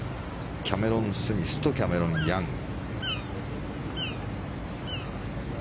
キャメロン・スミスとキャメロン・ヤング。